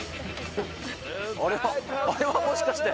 あれは、あれはもしかして？